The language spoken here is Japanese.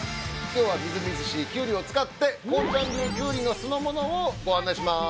今日はみずみずしいきゅうりを使ってこーちゃん流きゅうりの酢の物をご案内します。